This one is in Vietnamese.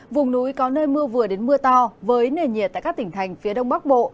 vùng núi có nơi mưa vừa đến mưa to với nền nhiệt tại các tỉnh thành phía đông bắc bộ